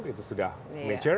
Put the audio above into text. itu sudah nature